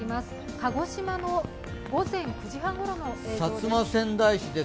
鹿児島の午前９時半ごろの映像です。